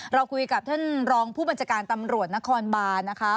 เราคุยกับท่านรองผู้บัญชาการตำรวจนครบานนะคะ